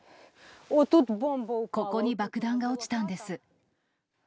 ここに爆弾が落ちたんです。